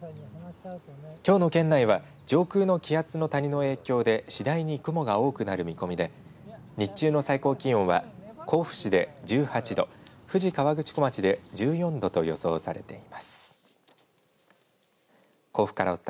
きょうの県内は上空の気圧の谷の影響で次第に雲が多くなる見込みで日中の最高気温は甲府市で１８度富士河口湖町で１４度と予想されています。